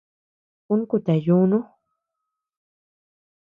Ún kutea yunu.